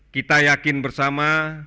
kita yakin bersama